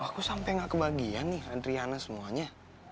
aku sampai nggak kebahagiaan nih adriana semuanya